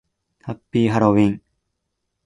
ハッピーハロウィン